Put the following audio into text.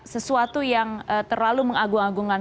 sesuatu yang terlalu mengagung agungkan